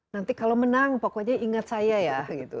nanti kalau menang pokoknya ingat saya ya gitu